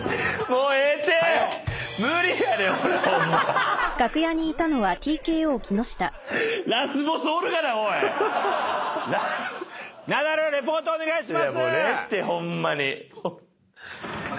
もうええってホンマに。